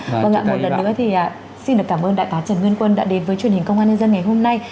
vâng ạ một lần nữa thì xin được cảm ơn đại tá trần nguyên quân đã đến với truyền hình công an nhân dân ngày hôm nay